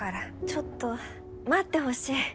ちょっと待ってほしい。